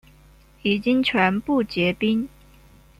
已经全部结冰